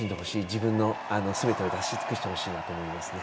自分のすべてを出し尽くしてほしいなと思いますね。